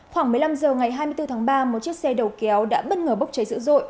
khoảng một mươi năm h ngày hai mươi bốn tháng ba một chiếc xe đầu kéo đã bất ngờ bốc cháy dữ dội